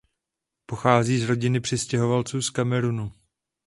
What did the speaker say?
Pochází z rodiny přistěhovalců z Kamerunu.